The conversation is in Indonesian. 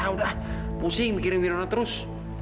udah pusing mikirin wirano terus